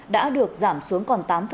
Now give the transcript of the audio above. đã được giảm xuống còn tám